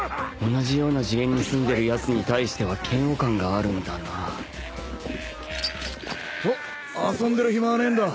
同じような次元に住んでるやつに対しては嫌悪感があるんだなぬぬぬー！と遊んでる暇はねえんだ。